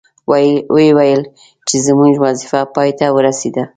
وې ویل چې زموږ وظیفه پای ته ورسیده.